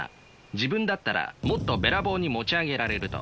自分だったらもっとべらぼうに持ち上げられると。